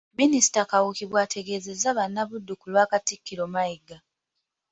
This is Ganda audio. Minisita Kawuki bw’ategeezezza bannabuddu ku lwa Katikkiro Mayiga.